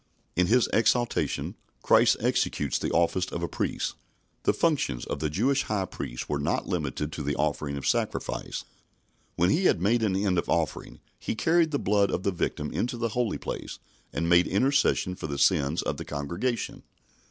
" In His exaltation, Christ executes the office of a Priest. The functions of the Jewish high priest were not limited to the offering of sacrifice. When he had made an end of offering, he carried the blood of the victim into the Holy Place and made intercession for the sins of the congregation.